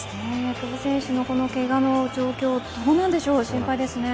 久保選手のけがの状況どうなんでしょう、心配ですね。